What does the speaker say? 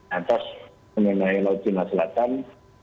atas mengenai laut cina selatan